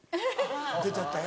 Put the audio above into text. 出ちゃったよ。